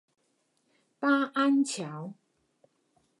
八安橋